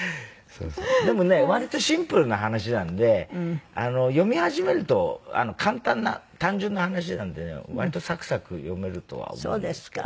でもね割とシンプルな話なんで読み始めると簡単な単純な話なんでね割とさくさく読めるとは思いますけどね。